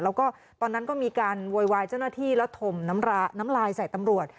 แล้วก็ตอนนั้นก็มีการโวยวายเจ้าหน้าที่แล้วถมน้ำลายใส่ตำรวจ